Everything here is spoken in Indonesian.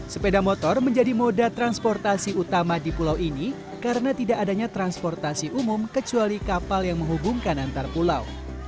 sepeda motor menjadi moda transportasi utama di pulau ini karena tidak adanya transportasi umum kecuali kapal yang menghubungkan antar pulau